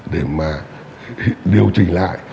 để mà điều chỉnh lại